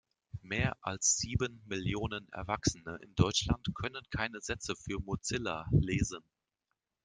Mehr als sieben Millionen Erwachsene in Deutschland können keine Sätze für Mozilla lesen.